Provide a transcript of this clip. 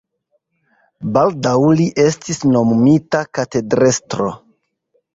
Baldaŭ li estis nomumita katedrestro.